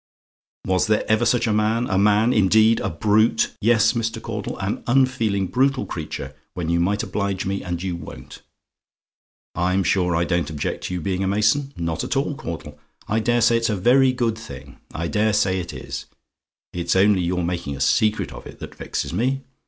"Was there ever such a man? A man, indeed! A brute! yes, Mr. Caudle, an unfeeling, brutal creature, when you might oblige me, and you won't. I'm sure I don't object to your being a mason: not at all, Caudle; I dare say it's a very good thing; I dare say it is it's only your making a secret of it that vexes me.